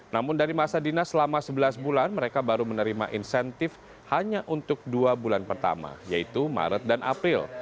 namun dari masa dinas selama sebelas bulan mereka baru menerima insentif hanya untuk dua bulan pertama yaitu maret dan april